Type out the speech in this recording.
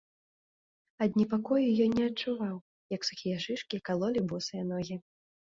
Ад непакою ён не адчуваў, як сухія шышкі калолі босыя ногі.